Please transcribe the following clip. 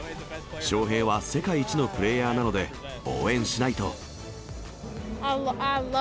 翔平は世界一のプレーヤーなので、応援しないと。